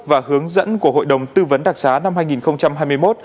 và hướng dẫn của hội đồng tư vấn đặc xá năm hai nghìn hai mươi một